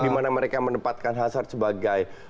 dimana mereka menempatkan hazard sebagai